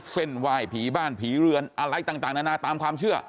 เส้นไหว้ผีบ้านผีเรือนอะไรต่างนานาตามความเชื่อ